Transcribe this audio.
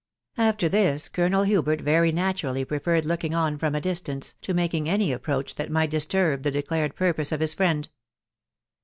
After this, Colonel Hubert very naturally preferred looking on from a distance, to making any approach that might disturb the declared purpose of his friend.